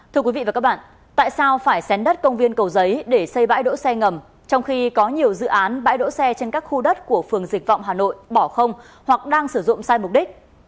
thưa quý vị và các bạn tại sao phải xén đất công viên cầu giấy để xây bãi đỗ xe ngầm trong khi có nhiều dự án bãi đỗ xe trên các khu đất của phường dịch vọng hà nội bỏ không hoặc đang sử dụng sai mục đích